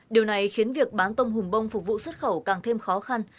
điều này khiến việc bán tôm hùm bông phục vụ xuất khẩu càng thêm khó khăn